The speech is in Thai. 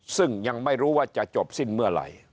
ซึ่งยังไม่รู้ว่าจะจบสิ้นเมื่อไหร่